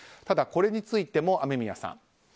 ただ、これについても雨宮さん